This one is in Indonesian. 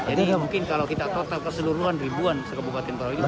jadi mungkin kalau kita total keseluruhan ribuan sekebukatin perawatan